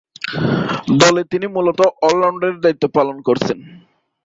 দলে তিনি মূলতঃ অল-রাউন্ডারের দায়িত্ব পালন করছেন।